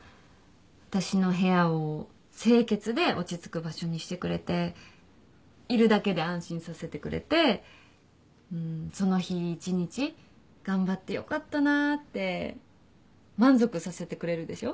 私の部屋を清潔で落ち着く場所にしてくれているだけで安心させてくれてんその日一日頑張ってよかったなって満足させてくれるでしょ。